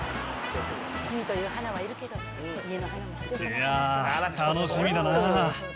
いやー、楽しみだなぁ。